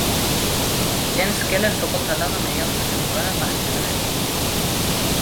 Jens Keller fue contratado a mediados de temporada para entrenar el equipo.